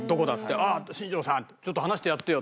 「ああ新庄さんちょっと話してやってよ若手に」。